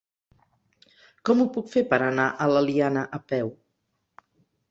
Com ho puc fer per anar a l'Eliana a peu?